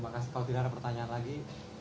maka kalau tidak ada pertanyaan lagi